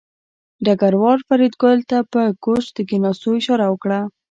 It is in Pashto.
ډګروال فریدګل ته په کوچ د کېناستو اشاره وکړه